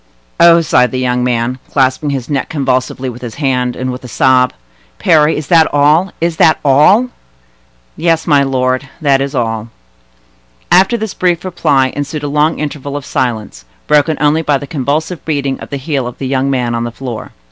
"Oh!" sighed the young man, clasping his neck convulsively with his hand, and with a sob. "Parry, is that all?—is that all?" "Yes, my lord; that is all." After this brief reply ensued a long interval of silence, broken only by the convulsive beating of the heel of the young man on the floor.